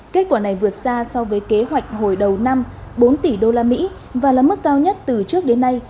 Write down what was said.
kết quả này vượt xa so với kế hoạch hồi đầu năm bốn tỷ usd và là mức cao nhất từ trước đến nay